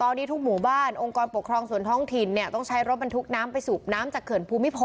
ตอนนี้ทุกหมู่บ้านองค์กรปกครองส่วนท้องถิ่นเนี่ยต้องใช้รถบรรทุกน้ำไปสูบน้ำจากเขื่อนภูมิพล